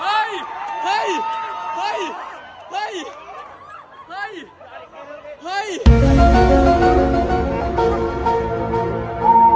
ไม่ได้มาเล่น